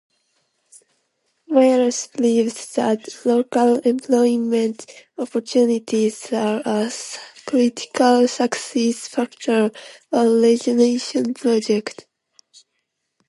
Wales believes that local employment opportunities are a critical success factor of regeneration projects.